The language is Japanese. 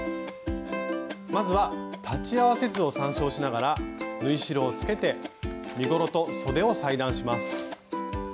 まずは裁ち合わせ図を参照しながら縫い代をつけて身ごろとそでを裁断します。